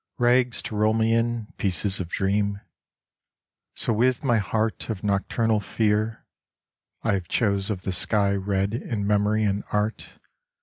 Rags to roll me in, pieces of dream, So with my heart of nocturnal fear ; I have chose of the sky red in memory and art.